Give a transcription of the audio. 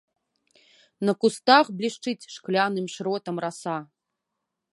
На кустах блішчыць шкляным шротам раса.